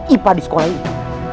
ipa di sekolah ini